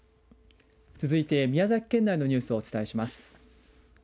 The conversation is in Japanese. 続いて宮崎県内のニュースをお伝えします。